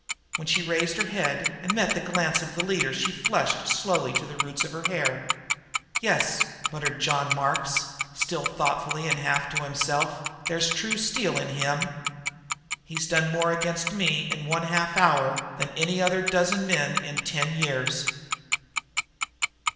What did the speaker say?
When she raised her head and met the glance of the leader she flushed slowly to the roots of her hair. "Yes," muttered John Mark, still thoughtfully and half to himself, "there's really true steel in him. He's done more against me in one half hour than any other dozen men in ten years."